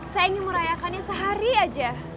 saya ingin merayakannya sehari aja